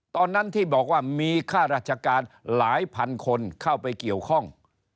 ตอนนั้นที่บอกว่ามีค่าราชการหลายพันคนเข้าไปเกี่ยวข้อง